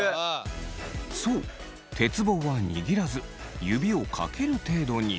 そう鉄棒は握らず指をかける程度に。